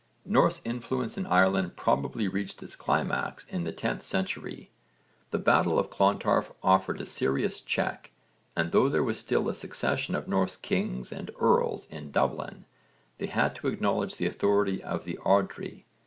Norse influence in Ireland probably reached its climax in the 10th century. The battle of Clontarf offered a serious check and though there was still a succession of Norse kings and earls in Dublin they had to acknowledge the authority of the ardrí.